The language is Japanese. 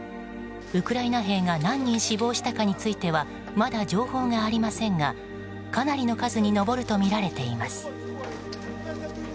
ウクライナ兵が何人死亡したかについてはまだ情報がありませんがかなりの数に上るとみられています。